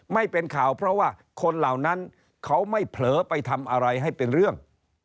ไม่เป็นข่าวเพราะว่าคนเหล่านั้นเขาไม่เผลอไปทำอะไรให้เป็นเรื่อง